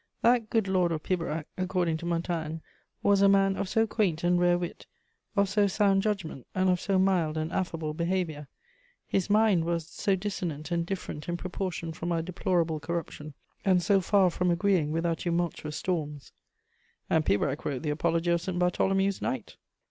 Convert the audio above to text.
That "good Lord of Pibrac," according to Montaigne, was "a man of so quaint and rare wit, of so sound judgment, and of so mild and affable behaviour." His mind was "so dissonant and different in proportion from our deplorable corruption, and so farre from agreeing with our tumultuous stormes." And Pibrac wrote the apology of St. Bartholomew's Night!